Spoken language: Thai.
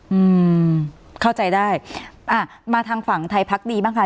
อืมเข้าใจได้อ่ามาทางฝั่งไทยพักดีบ้างค่ะ